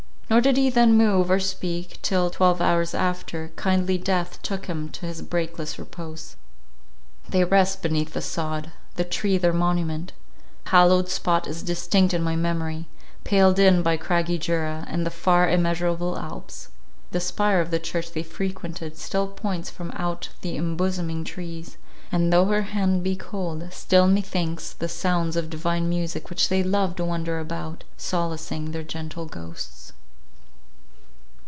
Nor did he then move or speak, till, twelve hours after, kindly death took him to his breakless repose. They rest beneath the sod, the tree their monument;—the hallowed spot is distinct in my memory, paled in by craggy Jura, and the far, immeasurable Alps; the spire of the church they frequented still points from out the embosoming trees; and though her hand be cold, still methinks the sounds of divine music which they loved wander about, solacing their gentle ghosts.